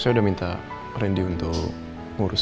saya udah minta rendy untuk ngurus